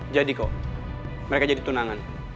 jadi kok mereka jadi tunangan